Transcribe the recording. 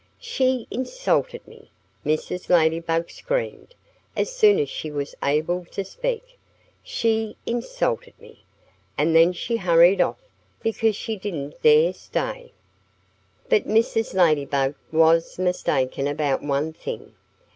"She insulted me!" Mrs. Ladybug screamed, as soon as she was able to speak. "She insulted me. And then she hurried off because she didn't dare stay!" But Mrs. Ladybug was mistaken about one thing.